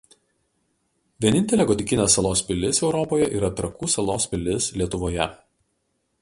Vienintelė gotikinė salos pilis Europoje yra Trakų salos pilis Lietuvoje.